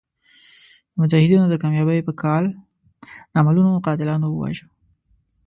د مجاهدینو د کامیابۍ په کال نامعلومو قاتلانو وواژه.